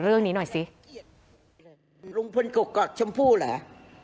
แล้วอันนี้ก็เปิดแล้ว